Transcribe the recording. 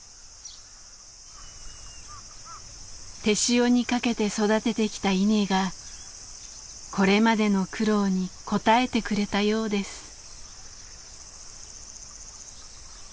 手塩にかけて育ててきた稲がこれまでの苦労に応えてくれたようです。